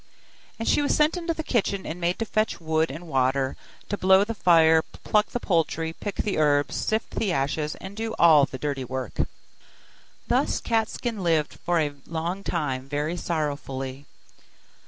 And she was sent into the kitchen, and made to fetch wood and water, to blow the fire, pluck the poultry, pick the herbs, sift the ashes, and do all the dirty work. Thus Cat skin lived for a long time very sorrowfully.